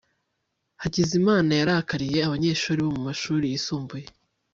hakizimana yarakariye abanyeshuri bo mumashuri yisumbuye